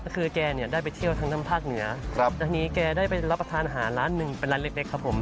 คือแกเนี่ยได้ไปเที่ยวทั้งภาคเหนือจากนี้แกได้ไปรับประทานอาหารร้านหนึ่งเป็นร้านเล็กครับผม